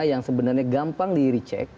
yang sebenarnya gampang di recheck